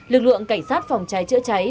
lực lượng cảnh sát phòng cháy chữa cháy